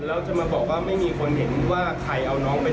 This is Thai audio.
แล้วจะมาบอกว่าไม่มีคนเห็นว่าใครเอาน้องไป